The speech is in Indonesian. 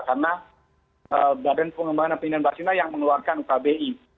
karena badan pengembangan dan pemilihan bahasa indonesia yang mengeluarkan ugbi